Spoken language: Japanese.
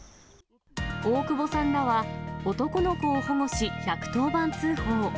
大窪さんらは、男の子を保護し、１１０番通報。